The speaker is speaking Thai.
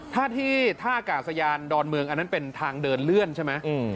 ถ้าที่ท่ากาศยานดอนเมืองอันนั้นเป็นทางเดินเลื่อนใช่ไหม